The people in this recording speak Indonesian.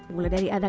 mulai dari anak anak